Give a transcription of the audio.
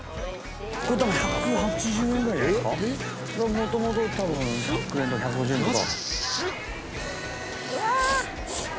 もともとたぶん１００円とか１５０円とか。